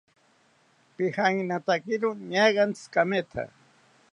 Pijankinatakiro ñaagantzi kametha